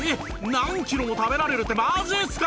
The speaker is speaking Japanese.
何キロも食べられるってマジっすか？